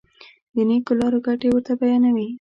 د نېکو لارو ګټې ورته بیانوي.